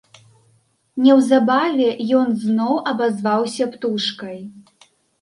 Неўзабаве ён зноў абазваўся птушкай.